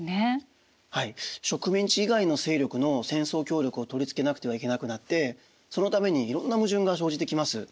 植民地以外の勢力の戦争協力を取り付けなくてはいけなくなってそのためにいろんな矛盾が生じてきます。